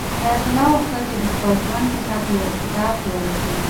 حیات الله غوښتل چې د خپل ژوند کیسه په یو کتاب کې ولیکي.